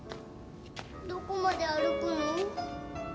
どこまで歩くの？